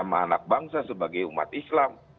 sama anak bangsa sebagai umat islam